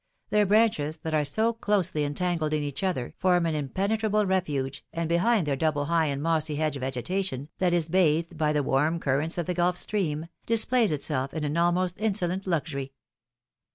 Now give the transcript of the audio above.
Their branches, that are so closely entangled in each other, form an impenetrable refuge, and behind their double high and mossy hedge vegetation, that is bathed by the warm currents of the Gulf stream, displays itself in an almost insolent luxury.